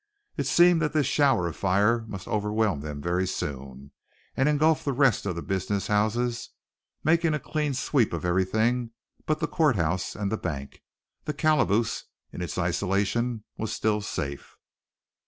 It seemed that this shower of fire must overwhelm them very soon, and engulf the rest of the business houses, making a clean sweep of everything but the courthouse and the bank. The calaboose, in its isolation, was still safe.